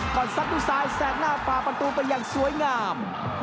ก่อนสักตู้สายแสกหน้าฝ่าประตูไปอย่างสวยงาม